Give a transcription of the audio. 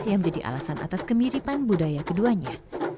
yang menjadi alasan atas kemiripan budaya keduanya